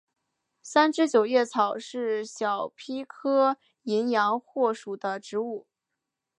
三枝九叶草是小檗科淫羊藿属的植物。